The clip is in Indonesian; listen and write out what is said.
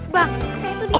bang saya tuh disini